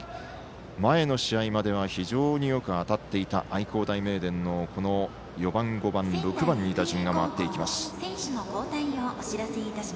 前の試合までは非常によく当たっていた愛工大名電の４番、５番、６番に打順が回っていきます。